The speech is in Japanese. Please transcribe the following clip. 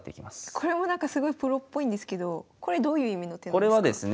これもすごいプロっぽいんですけどこれどういう意味の手なんですか？